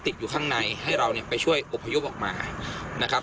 ติดอยู่ข้างในให้เราเนี่ยไปช่วยอบพยพออกมานะครับ